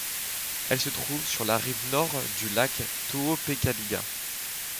Elle se trouve sur la rive nord du lac Tohopekaliga.